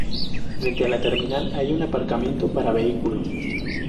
Frente a la terminal hay un aparcamiento para vehículos.